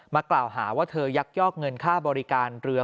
กล่าวหาว่าเธอยักยอกเงินค่าบริการเรือ